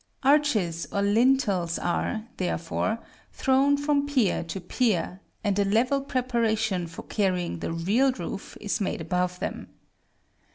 Arches or lintels are, therefore, thrown from pier to pier, and a level preparation for carrying the real roof is made above them.